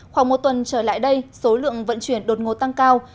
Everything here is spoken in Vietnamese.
khoảng một tuần trở lại đây số lượng vận chuyển đột ngột tăng cao